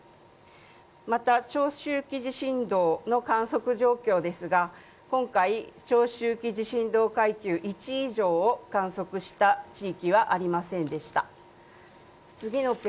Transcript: また、長周期地震動の観測状況ですが今回、長周期地震動階級１以上の地域はありませんでした。